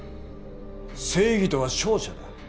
正義とは勝者だ。